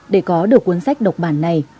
để có được cuốn sách đọc bản này